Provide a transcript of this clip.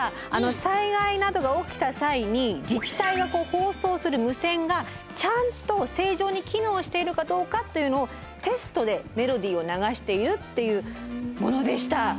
災害などが起きた際に自治体が放送する無線がちゃんと正常に機能しているかどうかというのをテストでメロディーを流しているっていうものでした。